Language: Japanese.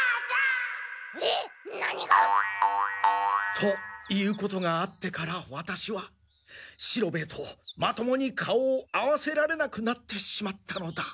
えっ何が？ということがあってからワタシは四郎兵衛とまともに顔を合わせられなくなってしまったのだ。